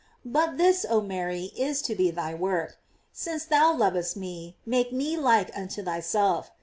But this, oh Mary, is to be thy work; since thou lovest me, make me like unto thyself.